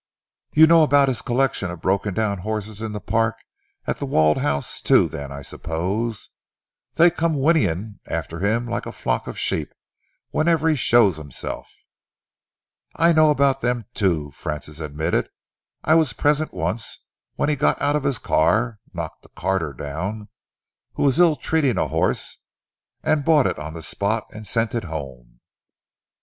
"You know about his collection of broken down horses in the park at The Walled House, too, then, I suppose? They come whinnying after him like a flock of sheep whenever he shows himself." "I know about them, too," Francis admitted. "I was present once when he got out of his car, knocked a carter down who was ill treating a horse, bought it on the spot and sent it home."